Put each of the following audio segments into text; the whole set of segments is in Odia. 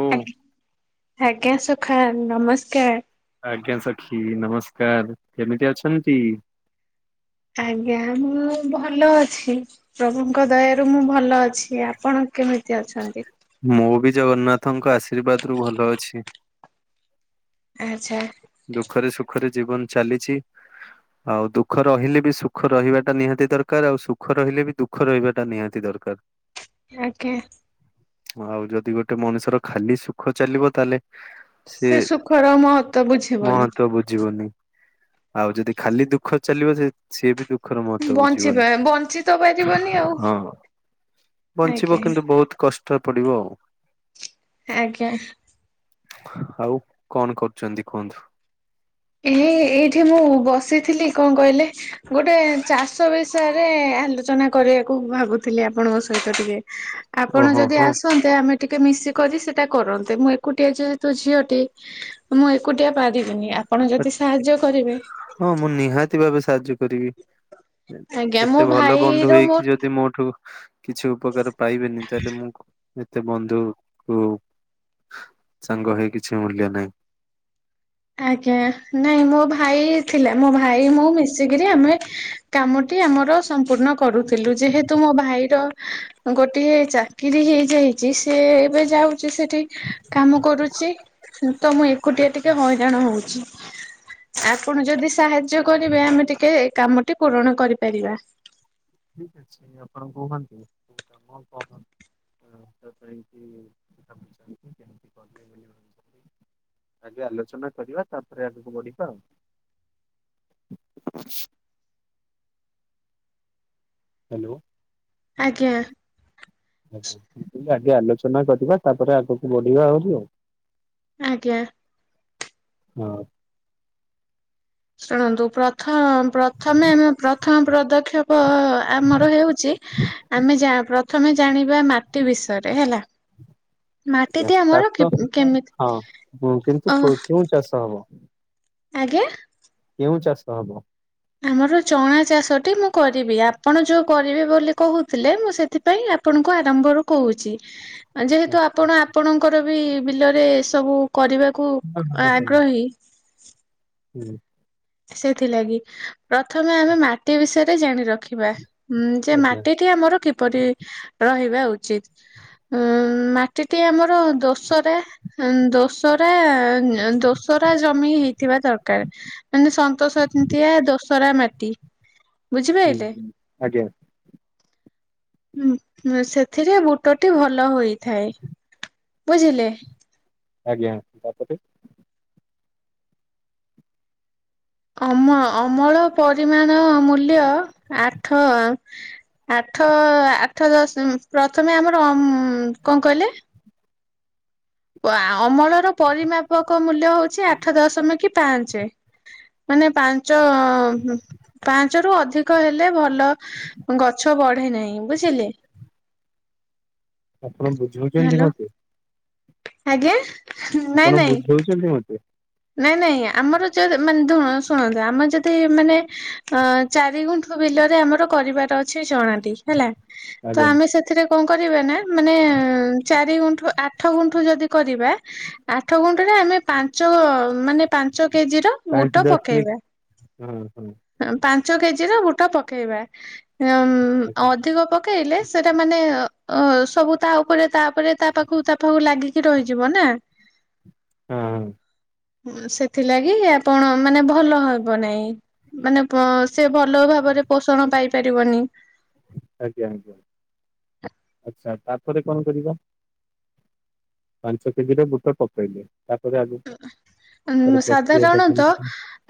ଓ ଆଜ୍ଞ ଆଜ୍ଞା। ସଖା ନମସ୍କାର। ଆଜ୍ଞା ସଖୀ ନମସ୍କାର। କେମିତି ଅଛନ୍ତି? ଆଜ୍ଞା ମୁଁ ଭଲ ଅଛି। ପ୍ରଭୁଙ୍କ ଦୟାା ରୁ ମୁଁ ଭଲ ଅଛି। ଆପଣ କେମିତି ଅଛନ୍ତି? ମୁଁ ବି ଜଗନ୍ନାଥଙ୍କ ଆଶୀର୍ବାଦରୁୁ ଭଲ ଅଛି। ଆଚ୍ଛା। ଦୁଃଖରେ ସୁଖରେ ଜୀବନ ଚାଲିଛି। ଆଉ ଦୁଃଖ ରହିଲେ ବି ସୁଖ ରହିବାଟା ନିହାତି ଦରକାର, ଆଉ ସୁଖ ରହିଲେ ବି ଦୁଃଖ ଦୁଃଖ ରହିବାଟା ନିହାତି ଦରକାର। ଆଜ୍ଞା। ଆଉ ଯଦି ଗୋଟେ ମଣିଷର ଖାଲି ସୁଖ ଚାଲିବ ତାହେଲେ, ସିଏ ସେ ସୁଖର ମହତ୍ଵ ବୁଝିବନି। ମହତ୍ଵ ବୁଝିବୁନି। ଆଉ ଯଦି ଖାଲି ଦୁଃଖ ଚାଲିବ ସେ ସିଏ ବି ଦୁଖ ଦୁଃଖର ମହତ୍ଵ ବଞ୍ଚିବା ବଞ୍ଚି ତ ବୁଝିବନି। ପାରିବନି ଆଉ ହଁ। ଆଜ୍ଞା ବଞ୍ଚିବ କିନ୍ତୁ ବହୁତ କଷ୍ଟ ପଡିବ ଆଉ। ଆଜ୍ଞା। ଆଉ କଣ କରୁଚନ୍ତି କୁହନ୍ତୁ? ଏ ଏଇଠି ମୁଁ ବସିଥିଲି। କଁ କଇଲେ? ଗୋଟେଁ ଚାଷ ବିଷୟରେ ଆଲୋଚନା କରିଆକୁ ଭାବୁଥିଲି ଆପଣଙ୍କ ସହିତ ଟିକେ। ଆପଣ ଓହୋ ଯଦି ହୋ। ଆସନ୍ତ୍ ତେ ଆମେ ଟିକେ ମିଶିକରି ସେଟା କରନ୍ତେ ମୁଁ ଏକୁଟିଆ ଯେହେତୁ ଝିଅଟି ମୁଁ ଏକୁଟିଆ ପାରିବିନି ଆପଣ ଯଦି ସାହାଯ୍ୟ କରିବେ ହଁ ମୁଁ ନିହାତି ଭାବେ ସାହାଯ୍ୟ କରିବି। ଏ ଆଜ୍ଞା ମୋ ଏତେ ଭଲ ବନ୍ଧୁ ଭାଇର ମୋର ହେଇକି ଯଦି ମୋଠୁ କିଛି ଉପକାର ପାଇବେନି ତାହେଲେ ମୁଁ ଏ ଏତେ ବନ୍ଧୁ କୁ ସାଙ୍ଗ ହେଇ କିଛି ମୂଲ୍ୟ ନାଇଁ। ଆଜ୍ଞା ନାଇଁ ମୋ ଭାଇ ଥିଲା ମୋ ଭାଇ ମୁଁ ମିଶିକିରି ଆମେ କାମ ଟି ଆମର ସମ୍ପୂର୍ଣ୍ଣ କରୁଥିଲୁ ଯେହେତୁ ମୋ ଭାଇର ଗୋଟିଏ ଚାକିରି ହେଇ ଯାଇଚି ସେ ଏବେ ଯାଉ ଚି ସେଠି କାମ କରୁଚି ହୁଁ ତ ମୁଁ ଏକୁଟିଆ ଟିକେ ହଇରାଣ ହଉଚି। ଆପଣ ଯଦି ସାହାଯ୍ୟ କରିବେ ଆମେ ଟିକେ ଏ କାମଟି ପୂରଣ କରିପାରିବା। ଠିକ୍ ଅଛି ଆପଣ କୁହନ୍ତୁ କୋଉ କାମ କଣ ଭାବିଛନ୍ତି କେମିତି କରିବେ ବୋଲି [unintelligible] ଭାବିଛନ୍ତି ଆଗେ ଆଲୋଚନା କରିବା ତାପରେ ଆଗକୁ ବଢିବା ଆଉ। ହାଲୋ। ଆଜ୍ଞା। ଆଜ୍ଞା ମୁଁ କଇଲି ଆଗେ ଆଲୋଚନା କରିବା ତାପରେ ଆଗକୁ ବଢିବା ଆଉରି ଆଉ। ଆଜ୍ଞା। ହଁ। ଶୁଣନ୍ତୁ ପ୍ରଥ ପ୍ରଥମେ ପ୍ରଥମ ପ୍ରଦକ୍ଷ ପ ଆମର ହେଉଚି ଆମେ ପ୍ରଥମେ ଜାଣିବା ମାଟି ବିଷୟରେ ହେଲା। ଆଜ୍ଞା। ମାଟିଟି ଆମର ଚାଷ କିପ୍ କେମିତି ଅ କୋଉ ଚାଷ ହବ? ଆଜ୍ଞା। କେଉଁ ଚାଷ ହବ? ଆମର ଚଣା ଚାଷଟି ମୁଁ କରିବି ଆପଣ ଯୋଉ କରିବେ ବୋଲି କହୁଥିଲେ ମୁଁ ସେଥି ପାଇଁ ଆପଣଙ୍କୁ ଆରମ୍ଭରୁ କହୁଚି। ଆ ଯେହେତୁ ହଁ ଆପଣ ଆପଣଙ୍କର ବି ବିଲରେ ଏ ସବୁ କରିବାକୁ ଆଗ୍ରହୀ ହୁଁ। ସେଥିଲାଗି ପ୍ରଥମେ ଆମେ ମାଟି ବିଷୟରେ ଜାଣି ର ଖିବା ଉଁ ଯେ ଆଜ୍ଞା ମାଟି ଟି ଆମର କିପରି ରହିବା ଉଚିତ୍। ଅଁମ୍ ମାଟି ଟି ଆମର ଦୋସରା ହମ୍ ଦୋସରା ଆଁ ଦୋସରା ଜମି ହେଇଥିବା ଦରକାର୍। ମାନେ ସନ୍ତୋ ସନ୍ତିଆ ଦୋସରା ମାଟି। ବୁଝିପାଇଲେ? ହୁଁ-ହୁଁ ଆଜ୍ଞା। ଉଁ ସେଥିରେ ବୁଟଟି ଭଲ ହୋଇଥାଏ। ବୁଝିଲେ। ଆଜ୍ଞା ତାପରେ ଅମ ଅମଳ ପରିମାଣ ମୂଲ୍ୟ ଆଠ ଆଁ ଆଠ ଆଠ ଦଶ୍ ପ୍ରଥମେ ଆମର ଅମ୍ କଁ କଇଲେ ଆ ଅମଳର ପରିମାପକ ମୂଲ୍ୟ ହଉଛି ଆଠ ଦଶମିକ ପାଞ୍ଚେ। ମାନେ ପାଞ୍ଚ ପାଞ୍ଚ ରୁ ଅଧିକ ହେଲେ ଭଲ ଗଛ ବଢେ ନାହିଁ ବୁଝିଲେ। ଆପଣ ବୁଝଉଛନ୍ତି ହ୍ୟାଲୋ ମତେ। ଆଜ୍ଞା। ନାଇଁ ଆପଣ ନାଇଁ ବୁଝଉଛନ୍ତି ମୋତେ। ନାଇଁ ନାଇଁ ଆମର ଜେ ମାନେ ଧୁ ଶୁଣନ୍ତୁ ଆମ ଯଦି ମାନେ ଅ ଚାରି ଗୁଣ୍ଠ ବିଲରେ ଆମର କରିବାର ଅଛି ଜଣାନ୍ତି ହେଲା। ତ ଆଜ୍ଞା ଆମେ ସେଥିରେ କଣ କରେ ନା ମାନେ ଚାରି ଦି ଗୁଣ୍ଠୁ ଆଠ ଗୁଣ୍ଠୁ ଯଦି କରିବେ ଆଠ ଗୁଣ୍ଠୁରେ ଆମ ପାଞ୍ଚ ମାନେ ପାଞ୍ଚ କେଜିର ପାଞ୍ଚ ବୁଟ ଦଶ ମିନିଟ ପକେଇବା। ହଁ ହଁ ପାଞ୍ଚ କେଜିର ବୁଟ ପକେଇବା ଅଁମ ଆଜ୍ଞା ହଁ ଅଧିକ ପ ପକେଇଲେ ସେଟା ମାନେ ଅ ସବୁ ତା ଉପରେ ତାପରେ ତା ପାଖକୁ ତା ପାଖକୁ ଲାଗିକି ରହିଯିବ ନା। ହୁଁ। ସେଥିଲାଗି ଆପଣ ମାନେ ଭଲ ହବ ନାହିଁ। ମାନେ ବ ସେ ଭଲ ଭାବରେ ପୋଷଣ ପାଇପାରିବନି। ଆଜ୍ଞା ଆଚ୍ଛା ତାପରେ କଣ କରିବ? ପାଞ୍ଚ କେଜିର ବୁଟ ପକେଇଲେ ତାପରେ ଆଗକୁ ଉଁ ତାପରେ ପ୍ରକିୟା ଟା ସାଧାରଣତଃ କେମଟି।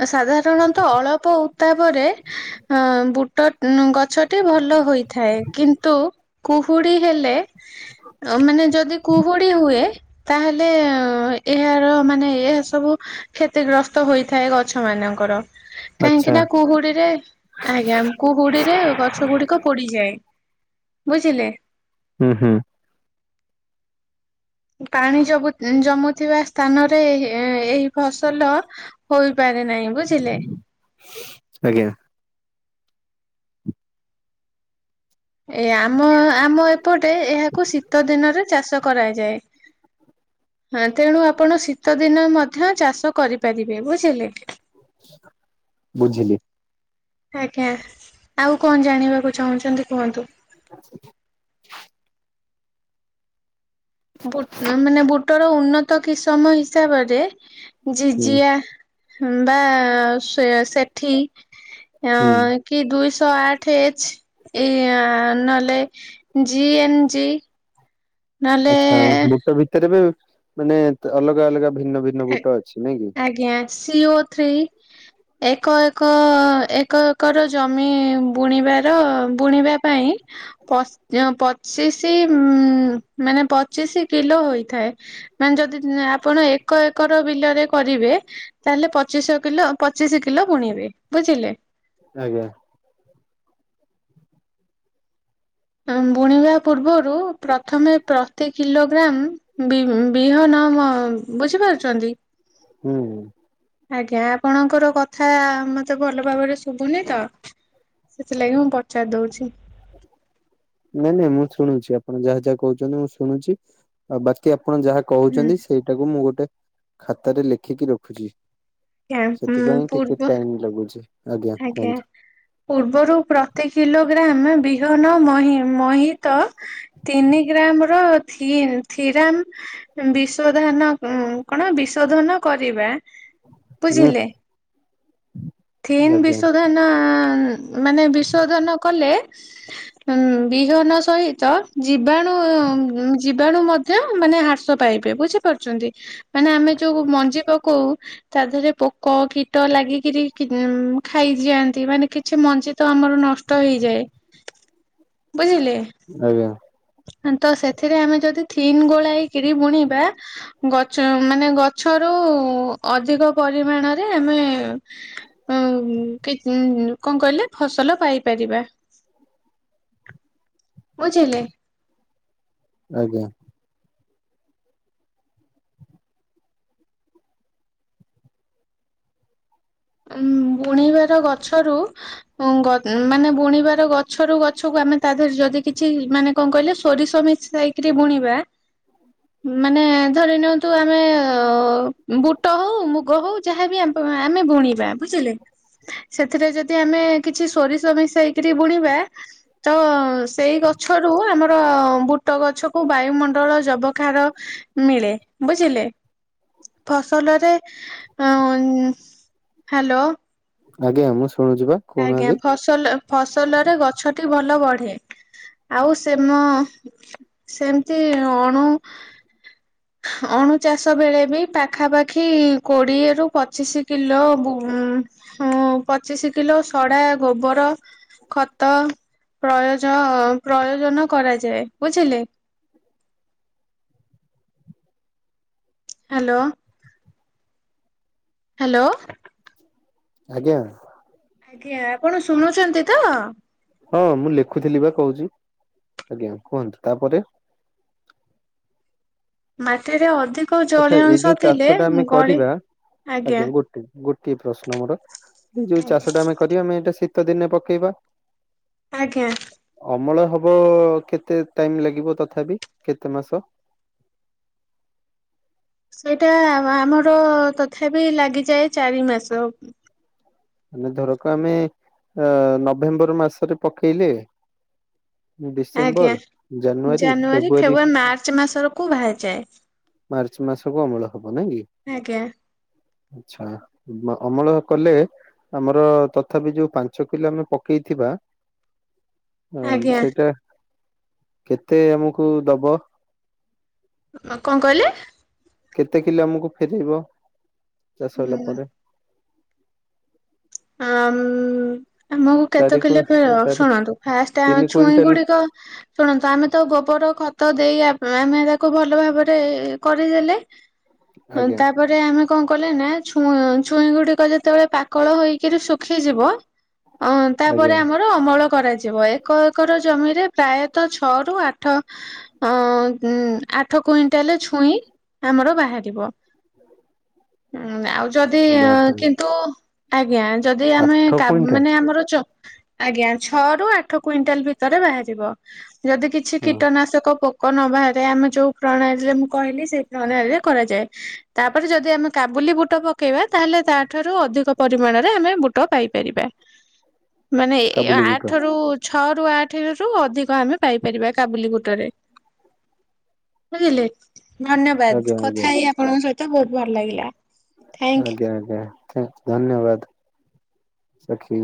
ସାଧାରଣତଃ ଅଳପ ଉତ୍ତାପରେ ହଁ ବୁଟ ଗଛଟି ଭଲ ହୋଇଥାଏ କିନ୍ତୁ କୁହୁଡ଼ି ହେଲେ ଅ ମାନେ ଯଦି କୁହୁଡି ହୁଏ ତାହେଲେ ଏହାର ମାନେ ଏହା ସବୁ କ୍ଷତିଗ୍ରସ୍ତ ହୋଇଥାଏ ଗଛ ମାନଙ୍କର। ଆଚ୍ଛା କାହିଁକି ନା କୁହୁଡିରେ ଆଜ୍ଞା କୁହୁଡିରେ ଗଛ ଗୁଡିକ ପୋଡିଯାଏ ବୁଝିଲେ। ଉଁ ହୁଁ। ପାଣି ଜବୁ ଜମୁଥିବା ସ୍ଥାନରେ ଏହି ଫସଲ ହୋଇପାରେ ନାହିଁ ବୁଝିଲେ। ଆଜ୍ଞା। ଏ ଆମ ଆମ ଏପଟେ ଏହାକୁ ଶୀତ ଦିନରେ ଚାଷ କରାଯାଏ। ହଁ ତେଣୁ ଆପଣ ଶୀତ ଦିନ ମଧ୍ୟ ଚାଷ କରିପାରିବେ ବୁଝିଲେ। ବୁଝିଲି। ଆଜ୍ଞା ଆଉ କଣ ଜାଣିବାକୁ ଚାହୁଁଛନ୍ତି କୁହନ୍ତୁ। [inaudible] ବୁଟ୍ ମାନେ ବୁଟର ଉନ୍ନତ କିସମ ହିସାବରେ ହୁଁ ଜିଜିଆ ହମ୍ବା ସେୟା ସେଠି ହଁ ହୁଁ। କି ଦୁଇଶହ ଆଠ ଏଚ୍ ଏ ନହେଲେ ଜି ଏନ ଞି ଆଛା ବୁଟ ଭିତରେ ବି ମାନେ ଅଲଗା ଅଲଗା ଭିନ୍ନ ଭିନ ଆଜ୍ଞା ସିଓ ଥ୍ରୀ ଏକ ଏକ ଏକ ଏକର ଜମି ବୁଣିବାର ବୁଣିବା ପାଇଁ ପଚ୍ ପଚିଶି ଉଁ ମାନେ ପଚିଶି କିଲୋ ହୋଇଥାଏ। ମାନେ ଯଦି ଆପଣ ଏ ଏକ ଏକର ବିଲରେ କରିବେ ତାହେଲେ ପଚିଶ କିଲୋ ପଚିଶ କିଲୋ ବୁଣିବେ ବୁଝିଲେ। ଆଜ୍ଞା। ଆଁ ବୁଣିବା ପୂର୍ବରୁ ପ୍ରଥମେ ପ୍ରତି କିଲୋଗ୍ରମ୍ - - ବିମ୍ ବିହନ ମ୍ ବୁଝିପାରୁଚନ୍ତି। ହୁଁ ଆଜ୍ଞା ଆପଣଙ୍କର କଥା ମତେ ଭଲ ଭାବରେ ଶୁଭୁନି ତ- - ସେଥିଲାଗି ମୁଁ ପଚାରି ଦଉଚି। ନାଇଁ ନାଇଁ ମୁଁ ଶୁଣୁଛି। ଆପଣ ଯାହା ଯାହା କହୁଚନ୍ତି ମୁଁ ଶୁଣୁଛି। ଆଉ ବାକି ଆପଣ ଯାହା ହୁଁ। କହୁଚନ୍ତି ସେଇଟାକୁ ମୁଁ ଗୋଟେ ଖାତାରେ ଲେଖିକି ରଖୁଚି। ଆଜ୍ଞା, ଉଁ, ସେଥିପାଇଁ ଟିକେ ପୂର୍ବ ଟାଇମ ଲାଗୁଚି। ଆଜ୍ଞା ପୂର୍ବରୁ ପ୍ରତି କିଲୋଗ୍ରାମ ବିହନ ମହି ମହିତ- - ତିନି ଗ୍ରାମ ର ଥି ଥିରାମ ବିଶୋଧାନ ଉ କଣ ବିଶୋଧନ କରିବା ହୁଁ ବୁଝିଲେ? ଥିନ୍ ଆଜ୍ଞା ବିଶୋଧନ ମାନେ ବିଶୋଧନ କଲେ ବିହନ ସହିତ ଜୀବାଣୁ ଜୀବାଣୁ ମ ଧ୍ୟ ମାନେ ହ୍ରାସ ପାଇବେ ବୁଝିପାରୁଚନ୍ତି। ମାନେ ଆମେ ଯୋଉ ମଞ୍ଜି ପକଉ ତା ଦେହରେ ପୋକ, କୀଟ ଲାଗି କିରି- - ଉଁ ଖାଇଯାଆନ୍ତି ମାନେ କିଛି ମଞ୍ଜି ତ ଆମର ନଷ୍ଟ ହେଇଯାଏ। ବୁଝିଲେ? ଆଜ୍ଞା ତ ସେଥିରେ ଆମେ ଯଦି ଥିନି ଗୋଲେଇ କିରି ବୁଣିବା ଗଛ ମାନେ ଗଛରୁ ଅଧିକ ପରିମାଣରେ ଆମେ- - ହୁଁ କିକ୍ କଂ କହିଲେ ଫସଲ ପାଇପାରିବା। ବୁଝିଲେ? ଆଜ୍ଞା ଉଁ ବୁଣିବାର ଗଛରୁ ଉଁ ଗ ମାନେ ବୁଣିବାର ଗଛରୁ ଗଛକୁ ଆମେ ତା ଦେହରେ ଯଦି କିଛି ମାନେ କଣ କହିଲେ ସୋରିଷ ବିଞ୍ଚି- - ଯାଇକିରି ବୁଣିବା ମାନେ ଧରି ନିଅନ୍ତୁ ଆମେ ବୁଟ ହଉ, ମୁଗ ହଉ ଯାହାବି ଆ ଆମେ ବୁଣିବା ତା ବୁଝିଲେ ସେଥିରେ ଯଦି ଆମେ କିଛି ସୋରିଷ ମିଶେଇକରି ବୁଣିବା ତ ସେଇ ଗଛରୁୁ ଆମର ବୁଟ ଗଛକୁୁ ବାୟୁମଣ୍ଡଳ ଜବଖାର- - ମିଳେ, ବୁଝିଲେ? ଫସଲରେ ଉଁ - - ହ୍ୟାଲୋ ଆଜ୍ଞା ମୁଁ ଶୁଣୁଛି ବା। ଆଜ୍ଞା, କହୁନାହାନ୍ତି ଫସ - - ଫସଲ ଫସଲରେ ଗଛଟି ଭଲ ବଢେ। ଆଉ ସେମ- - ସେମତି ଅଣୁ ଅଣୁ ଚାଷ ବେଳେ ବି ପାଖାପାଖି କୋଡିଏରୁୁ ପଚିଶି କିଲୋ ଗୁ ଉଁ ହଁ ପଚିଶି କିଲୋ ସଡା ଗୋବର ଖତ ପ୍ରୟଜ ପ୍ରୟୋଜନ କରାଯାଏ। ବୁଝିଲେ? ହ୍ୟାଲୋ ହ୍ୟାଲୋ ଆଜ୍ଞା ଆଜ୍ଞା, ଆପଣ ଶୁଣୁଚନ୍ତି ତ। ହଁ ମୁଁ ଲେଖୁଥିଲି ବା କହୁଚି ଆଜ୍ଞା, କୁହନ୍ତୁ ତାପରେ? ମାଟିରେ ଅଧିକ - - ଆଚ୍ଛା ଏଇ ଯୋଉ ଚାଷଟା ଆମେ କରିବା ଆଜ୍ଞା ଗୋଟେ ଗୋଟିଏ ପ୍ରଶ୍ନ ମୋର ଏଯୋଉ ଚାଷଟା ଆମେ କରିବା ଆମେ ଏଇଟା ଶୀତ ଦିନେ ପକେଇବା? ଆଜ୍ଞା। ଅମଳ ହବ କେତେ ଟାଇମ୍ ଲାଗିବ ତଥାପି କେତେ ମାସ? ସେଇଟା ଆମର ତଥାପି ଲାଗିଯାଏ ଚାରି ମାସ। ମାନେ ଧରକ ଆମେ ଅ ନଭେମ୍ବର ମାସରେ ପକେଇଲେ ଆଜ୍ଞା ଡିସେମ୍ବର ଜାନୁଆରୀ ଫେବୃଆାରୀ ମାର୍ଚ୍ଚ ମାସକୁ ବାହାରିଯାଏ। ମାର୍ଚ୍ଚ ମାସକୁ ଅମଳ ହବ ନାଇଁକି। ଆଜ୍ଞା। ଆଚ୍ଛା ଅମଳ କଲେ ଆମର ତଥାପି ଯୋଉ ପାଞ୍ଚ କିଲୋ ଆମେ ପକେଇଥିବା ହଁ ଆଜ୍ଞା। ସେଇଟା କେତେ ଆମକୁ ଦବ? କଁ କଇଁଲେ? କେତେ କିଲୋ ଆମକୁ ଫେରେଇବ ଚାଷ ହେଲା ହୁଁ ପରେ? ଆମ୍ ଆମକୁ କେତେ ଚାରି କୁ କିଲୋ ଫେରେଇବ ଚାରି ଶୁଣନ୍ତୁ ଫାଷ୍ଟ ଆମେ ତିନି ଛୁଇଁ କୁଇଣ୍ଟାଲ ଗୁଡ଼ିକ ଶୁଣନ୍ତୁ ଆମେତ ଗୋବର ଖତ ଦେଇ ଆମେ ତାକୁ ଭଲ ଭାବରେ କରିଦେଲେ ଆଜ୍ଞା ତାପରେ ଆମେ କଁ କଲେନା ଛୁଁ ଛୁଇଁ ଗୁଡ଼ିକ ଯେତେବେଳେ ପାକଳ ହୋଇ କିୁ ଶୁଖିଯିବ ଅଁ ଆଜ୍ଞା ତାପରେ ଆମର ଅମଳ କରାଯିବ ଏକ ଏକର ଜମିରେ ପ୍ରାୟତଃ ଛଅରୁ ଆଠ ଅ ଉ ଆଠ କୁଇଣ୍ଟାଲ ଛୁଇଁ ଆମର ବାହାରିବ। ଉଁ ଆଉ ଯଦି ବାପରେ କିନ୍ତୁ ଆଜ୍ଞା ଯଦି ଆମେ ଆଠ କା କୁଇଣ୍ଟାଲ ମାନେ ଆମର ଚ ଆଜ୍ଞା ଛଅରୁ ଆଠ କୁଇଣ୍ଟାଲ ଭିତରେ ବାହାରିବ ଯଦି କିଛି ହଁ କୀଟନାଶକ ପ କନ ବାହାରେ ଆମେ ଯୋଉ ପ୍ରଣାଳୀରେ ମୁଁ କହିଲି ସେଇ ପ୍ରଣାଳୀରେ କରାଯାଏ ତାପରେ ଯଦି ଆମେ କାବୁଲି ବୁଟ ପକେଇବା ତାହେଲେ ତାଠାରୁ ଅଧିକ ପ ପରିମାଣରେ ଆମେ ବୁଟ ପାଇପାରିବା ମାନେ ଏ କାବୁଲି ବୁଟ ଆଠାରୁ ଛଅ ରୁ ଆଠେରୁ ଅଧିକ ଆମେ ପାଇପାରିବା କାବୁଲି ଗୁଟରେ ବୁଝିଲେ ଆଜ୍ଞା ଧନ୍ୟବାଦ ଆଜ୍ଞା କଥା ହେଇ ଆପଣଙ୍କ ସହିତ ବହୁତ୍ ଭଲ ଲାଗିଲା। ଥ୍ୟାଙ୍କ ଆଜ୍ଞା ଆଜ୍ଞା ଧନ୍ୟବାଦ ସଖି।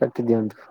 କାଟିଦିଅନ୍ତୁ।